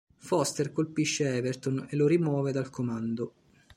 Foster colpisce Everton e lo rimuove dal comando.